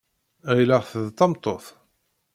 Ɣileɣ-t d tameṭṭut.